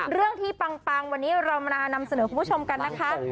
เรื่องที่ปังวันนี้เรามานำเสนอคุณผู้ชมกันนะคะ